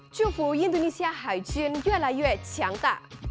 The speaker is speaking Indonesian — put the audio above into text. cufu indonesia haijun yelah yelah cangka